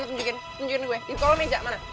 tunjukkan di kolom meja